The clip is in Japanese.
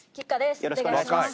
よろしくお願いします。